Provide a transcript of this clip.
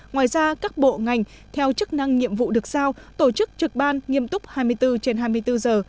ngoài ra các bộ ngành theo chức năng nhiệm vụ được sao tổ chức trực ban nghiêm túc hai mươi bốn trên hai mươi bốn giờ